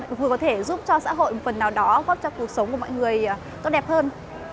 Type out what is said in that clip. vừa có thể giúp cho xã hội một phần nào đó góp cho cuộc sống của mọi người tốt đẹp hơn